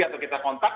atau kita kontak